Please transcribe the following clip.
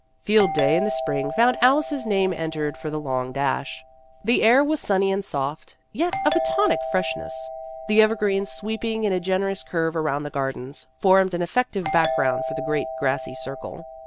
Field Day in the spring found Alice's name entered for the long dash. The air was sunny and soft, yet of a tonic freshness. The evergreens, sweeping in a generous curve around the gardens, formed an effective background for the great grassy Circle.